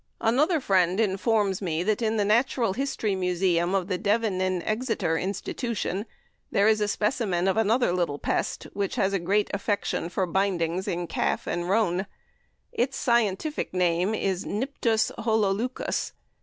Another friend informs me that in the Natural History Museum of the Devon and Exeter Institution is a specimen of "another little pest, which has a great affection for bindings in calf and roan. Its scientific name is Niptus Hololeucos."